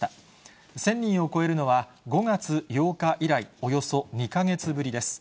１０００人を超えるのは、５月８日以来、およそ２か月ぶりです。